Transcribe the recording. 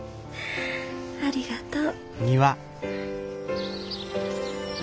ありがとう。